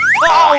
jangan lupa like